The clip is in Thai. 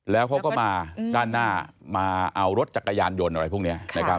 แล้วเขาก็มาด้านหน้ามาเอารถจักรยานยนต์อะไรพวกนี้นะครับ